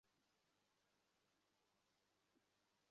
যতক্ষণ না তারা আমাকে আমার নতুন বইয়ের ব্যাপারে প্রশ্ন করেছে!